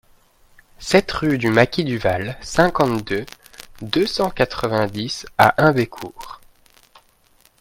sept rue du Maquis du Val, cinquante-deux, deux cent quatre-vingt-dix à Humbécourt